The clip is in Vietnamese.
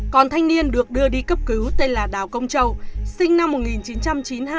còn thanh niên được đưa đi cấp cứu tên là đào công châu sinh năm một nghìn chín trăm chín mươi hai